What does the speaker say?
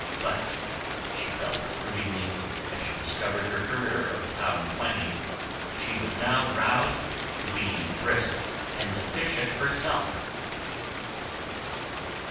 But, she felt approvingly, as she discovered her career of town planning, she was now roused to being brisk and efficient herself.